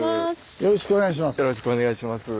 よろしくお願いします。